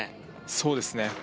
そうですね